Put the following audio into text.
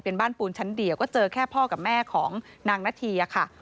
เป็นบ้านปูนชั้นเดียวก็เจอแค่พ่อกับแม่ของนางนาธีค่ะ